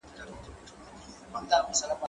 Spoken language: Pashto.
زه پرون مځکي ته ګورم وم؟!